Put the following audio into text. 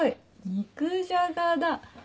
肉じゃがだ。